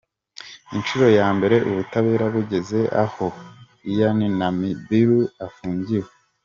inshuro ya mbere ubutabera bugeze aho Iryn Namubiru afungiwe.